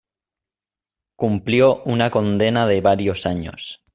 Cumplió una condena de varios años.